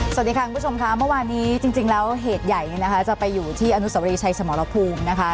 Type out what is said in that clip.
สวัสดีค่ะคุณผู้ชมค่ะเมื่อวานนี้จริงแล้วเหตุใหญ่เนี่ยนะคะจะไปอยู่ที่อนุสวรีชัยสมรภูมินะคะ